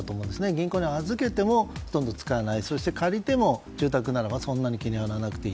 銀行に預けてもほとんどつかない借りても住宅ならばそんなに気にしなくていい。